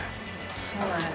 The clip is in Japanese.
そうなんです。